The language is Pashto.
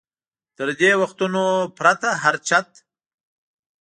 تر دې وختونو پرته هر چت.